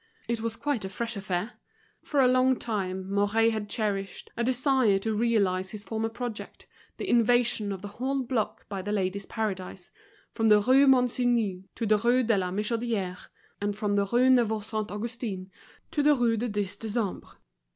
It was quite a fresh affair. For a long time Mouret had cherished a desire to realize his former project, the invasion of the whole block by The Ladies' Paradise, from the Rue Monsigny to the Rue de la Michodière and from the Rue Neuve Saint Augustin to the Rue du Dix Décembre.